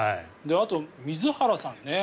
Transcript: あと、水原さんね。